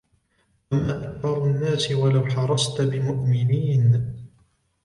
وَمَا أَكْثَرُ النَّاسِ وَلَوْ حَرَصْتَ بِمُؤْمِنِينَ